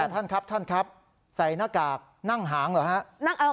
แต่ท่านครับใส่หน้ากากนั่งหางเหรอครับ